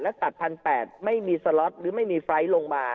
และตัด๑๘๐๐ไม่มีสล็อตหรือไม่มีไฟล์ทลงมา